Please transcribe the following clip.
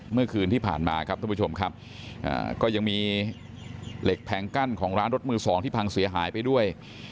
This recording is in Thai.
เมื่อคืนที่ผ่านมาครับท่านผู้ชมครับก็ยังมีเหล็กแผงกั้นของร้านรถมือสองที่พังเสียหายไปด้วย